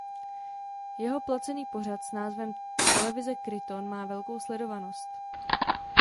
Jeho placený pořad s názvem Televize Kryton má velkou sledovanost.